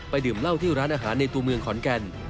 ดื่มเหล้าที่ร้านอาหารในตัวเมืองขอนแก่น